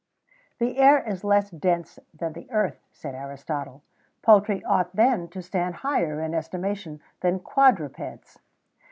The air is less dense than the earth, said Aristotle; poultry ought, then, to stand higher in estimation than quadrupeds.